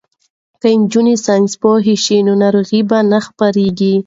که نجونې ساینس پوهې شي نو ناروغۍ به نه خپریږي.